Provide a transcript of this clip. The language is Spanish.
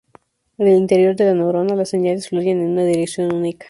En el interior de la neurona, las señales fluyen en una dirección única.